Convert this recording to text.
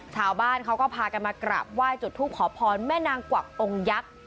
ชาวบ้านเขาก็พากันมากราบไหว้จุดทูปขอพรแม่นางกวักองค์ยักษ์